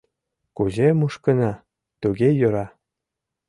Кузе мушкына, туге йӧра.